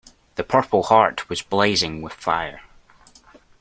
The purple heart was blazing with fire.